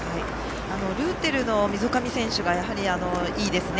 ルーテルの溝上選手がいいですね。